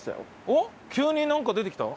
急になんか出てきた？